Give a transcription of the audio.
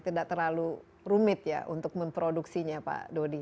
tidak terlalu rumit ya untuk memproduksinya pak dodi